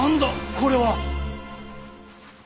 これは。